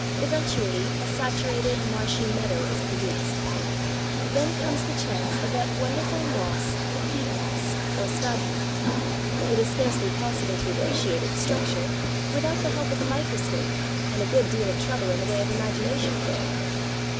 Eventually a saturated, marshy meadow is produced. Then comes the chance of that wonderful moss the peat moss, or Sphagnum. It is scarcely possible to appreciate its structure without the help of a microscope and a good deal of trouble in the way of imagination.